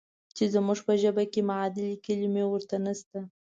چې زموږ په ژبه کې معادلې کلمې ورته نشته.